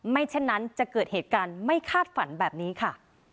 เช่นนั้นจะเกิดเหตุการณ์ไม่คาดฝันแบบนี้ค่ะ